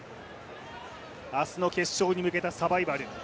明日の決勝に向けたサバイバル。